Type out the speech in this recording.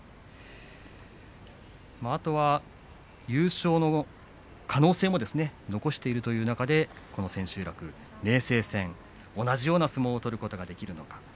あとは優勝の可能性も残しているという中でこの千秋楽、明生戦同じような相撲を取ることができるのか。